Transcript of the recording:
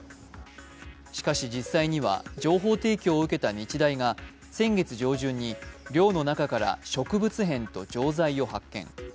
しかし実際には情報提供を受けた日大が先月上旬に寮の中から植物片と錠剤を発見。